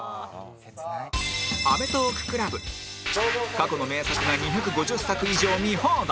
過去の名作が２５０作以上見放題